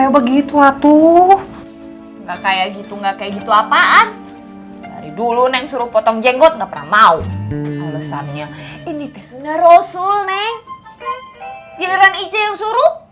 biarin ijeng yang suruh